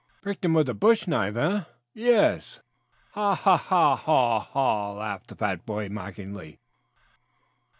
"Pricked him with a bush knife, eh?" "Yes." "Ha, ha, ha; haw, haw, haw!" laughed the fat boy mockingly.